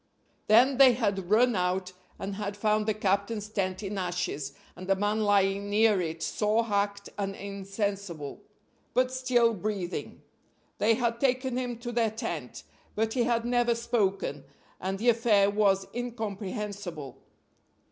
Then they had run out, and had found the captain's tent in ashes, and a man lying near it sore hacked and insensible, but still breathing. They had taken him to their tent, but he had never spoken, and the affair was incomprehensible.